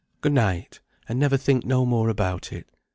Good night, and never think no more about it.